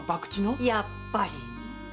やっぱりね。